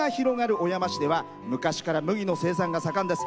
小山市では昔から麦の生産が盛んです。